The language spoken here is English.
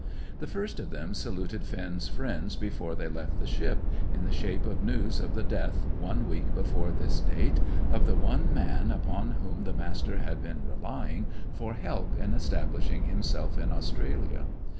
The first of them saluted Finn's friends before they left the ship, in the shape of news of the death, one week before this date, of the one man upon whom the Master had been relying for help in establishing himself in Australia.